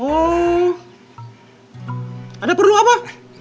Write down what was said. oh ada perlu apa